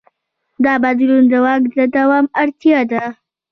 دا بدلون د واک د دوام اړتیا ده.